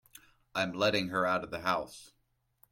I'm letting her out of the house.